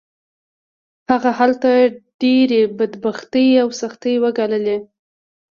هغه هلته ډېرې بدبختۍ او سختۍ وګاللې